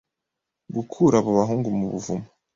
gukura abo bahungu mu buvumo